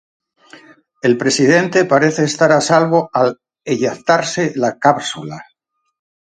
El presidente parece estar a salvo al eyectarse la cápsula.